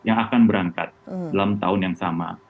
yang akan berangkat dalam tahun yang sama